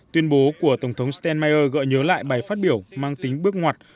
tuyên bố của tổng thống steinmeier gọi nhớ lại bài phát biểu mang tính bước ngoặt